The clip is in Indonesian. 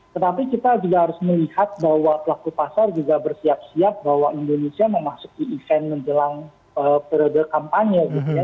tetapi kita juga harus melihat bahwa pelaku pasar juga bersiap siap bahwa indonesia memasuki event menjelang periode kampanye gitu ya